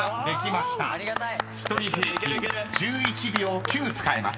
［１人平均１１秒９使えます。